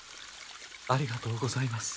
ありがとうございます。